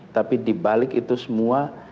tapi di balik itu semua